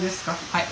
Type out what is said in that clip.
はい。